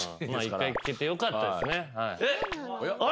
１回聞けてよかったですね。